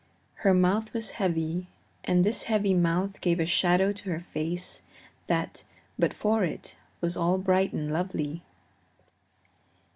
Her mouth was heavy and this heavy mouth gave a shadow to her face that, but for it, was all bright and lovely.